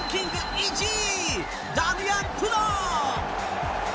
１位ダミアン・プノ！